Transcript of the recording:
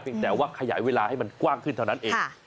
แต่ว่าขยายเวลาให้มันกว้างขึ้นเท่านั้นเอง